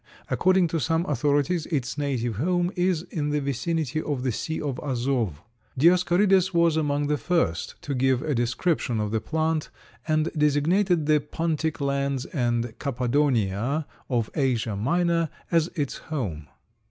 According to some authorities its native home is in the vicinity of the sea of Azov. Dioscorides was among the first to give a description of the plant and designated the pontic lands and Kappadonia of Asia Minor as its home.